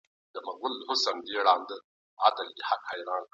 تاسي تل په نېکۍ کي یاست.